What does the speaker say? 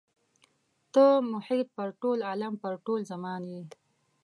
ته محیط پر ټول عالم پر ټول زمان یې.